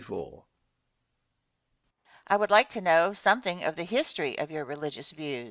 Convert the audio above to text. Question. I would like to know something of the history of your religious views?